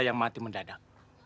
yang mati mendadak